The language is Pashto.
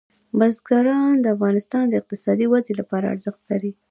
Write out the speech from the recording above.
بزګان د افغانستان د اقتصادي ودې لپاره ارزښت لري.